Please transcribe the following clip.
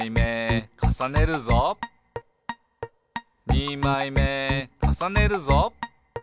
「にまいめかさねるぞ！」